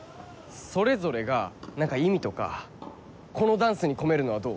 それぞれが何か意味とかこのダンスに込めるのはどう？